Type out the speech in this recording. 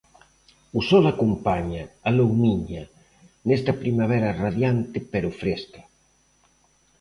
O sol acompaña, aloumiña, nesta primavera radiante pero fresca.